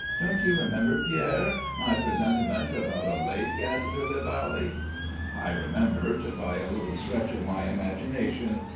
Don't you remember, Pierre, my presentiment about a lake at Villa Valley?" I remembered, by a little stretch of my imagination.